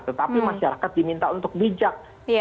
tetapi masyarakat diminta untuk bijak